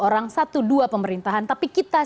orang satu dua pemerintahan tapi kita